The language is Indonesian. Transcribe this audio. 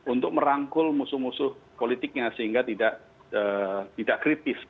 untuk merangkul musuh musuh politiknya sehingga tidak kritis